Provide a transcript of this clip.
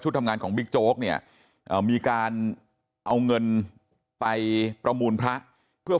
ทำงานของบิ๊กโจ๊กเนี่ยมีการเอาเงินไปประมูลพระเพื่อ